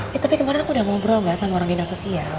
tapi kemarin aku udah ngobrol gak sama orang dinas sosial